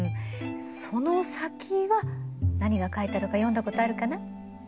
その先は何が書いてあるか読んだことあるかな？